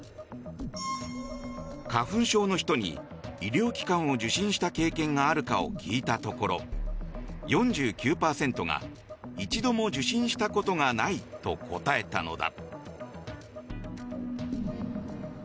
花粉症の人に、医療機関を受診した経験があるかを聞いたところ４９％が一度も受診したことがないと答えたのだ。